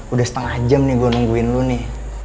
udah setengah jam nih gue nungguin lu nih